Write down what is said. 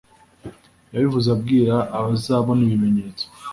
Yabivuze abwira abazabona ibimenyetso